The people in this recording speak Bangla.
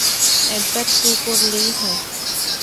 একবার তু করলেই হয়।